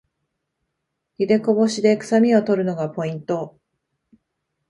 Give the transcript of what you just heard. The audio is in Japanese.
ゆでこぼしでくさみを取るのがポイント